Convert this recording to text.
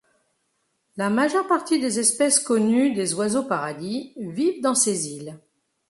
La majeure partie des espèces connues des oiseaux paradis, vivent dans ces îles.